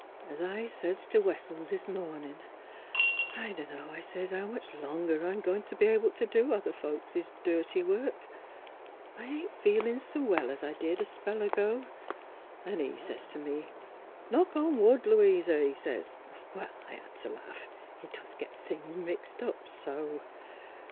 " As I says t' Wessels this mornin', ' I dunno,' I says, ' how much longer I'm goin' t' be able t' do other folks' dirty work. I ain't feelin' so well as I did a spell ago.' An' he says t' me, ' Knock on THE HIDDEN PICTURE 5 wood, Louisa,' he says. I had t' laugh. He doos git things mixed so